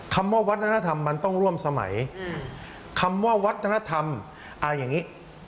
คำว่าวัฒนธรรมมันต้องร่วมสมัยคำว่าวัฒนธรรมเอาอย่างนี้